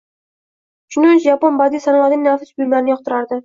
Chunonchi, yapon badiiy sanoatining nafis buyumlarini yoqtirardi